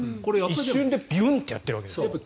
一瞬でビュンってやってるわけですから。